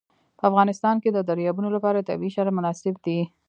په افغانستان کې د دریابونه لپاره طبیعي شرایط مناسب دي.